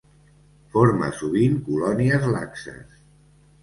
Forma sovint colònies laxes.